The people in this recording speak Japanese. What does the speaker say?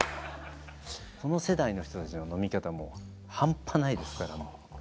この世代の人たちの飲み方もうハンパないですから。